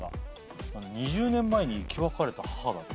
「２０年前に生き別れた母」だって。